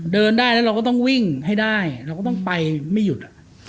เดินได้แล้วเราก็ต้องวิ่งให้ได้เราก็ต้องไปไม่หยุด